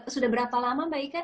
sudah berapa lama mbak ika